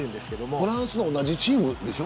フランスの同じチームでしょ。